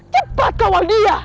cepat kawal dia